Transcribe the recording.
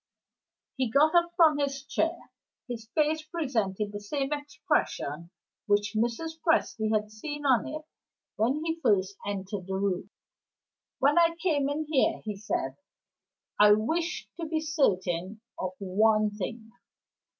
He got up from his chair. His face presented the same expression which Mrs. Presty had seen on it when he first entered the room. "When I came in here," he said, "I wished to be certain of one thing.